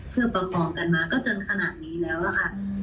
เพื่อประคองกันมาก็จนขนาดนี้แล้วค่ะ